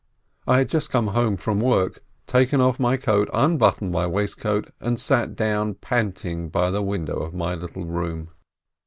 I had just come home from work, taken off my coat, unbuttoned my waistcoat, and sat down panting by the window of my little room.